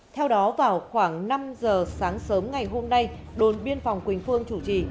theo đó vào khoảng năm giờ sáng sớm ngày hôm nay đồn biên phòng quỳnh phương chủ trì